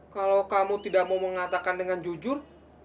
kalau kamu tidak mau mengatakan dengan jujur